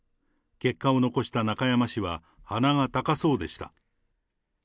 結果を残した中山氏は、鼻が高そうでした。